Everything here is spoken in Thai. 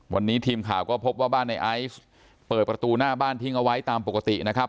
วันนี้ทีมข่าวก็พบว่าบ้านในไอซ์เปิดประตูหน้าบ้านทิ้งเอาไว้ตามปกตินะครับ